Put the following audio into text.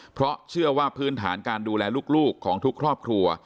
เพราะเชื่อว่าพื้นฐานการดูแลลูกของทุกครอบครัว